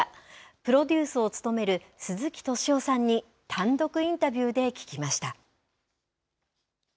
プロデュースを務める鈴木敏夫さんに単独インタビューで聞きました。